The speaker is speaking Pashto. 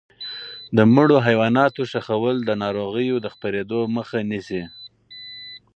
د مړو حیواناتو ښخول د ناروغیو د خپرېدو مخه نیسي.